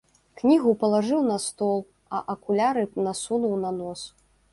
Кнігу палажыў на стол, а акуляры насунуў на нос.